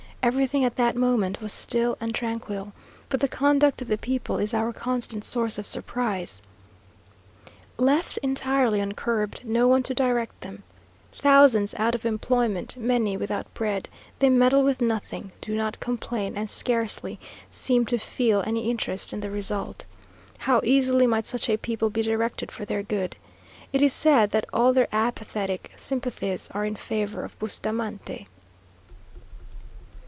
Everything at that moment was still and tranquil; but the conduct of the people is our constant source of surprise. Left entirely uncurbed, no one to direct them, thousands out of employment, many without bread, they meddle with nothing, do not complain, and scarcely seem to feel any interest in the result. How easily might such a people be directed for their good! It is said that all their apathetic sympathies are in favour of Bustamante.